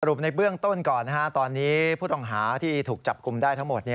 ในเบื้องต้นก่อนตอนนี้ผู้ต้องหาที่ถูกจับกลุ่มได้ทั้งหมด